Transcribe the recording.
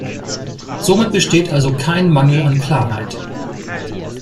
Somit besteht also kein Mangel an Klarheit.